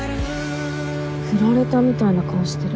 フラれたみたいな顔してる。